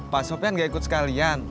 pak sofian gak ikut sekalian